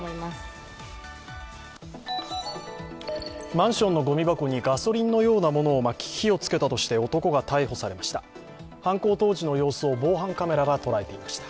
マンションのごみ箱にガソリンのようなものをまき火をつけたとして男が逮捕されました。